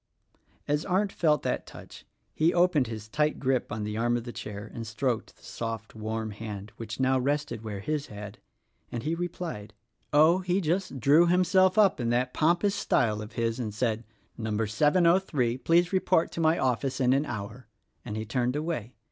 As Arndt felt that touch he opened his tight grip on the arm of the chair and stroked the soft, warm hand — which now rested where his had — and he replied, "Oh, he C THE RECORDING ANGEL 17 just drew himself up in that pompous style of his and said: 'Number 703, please report at my office in an hour,' and he turned away.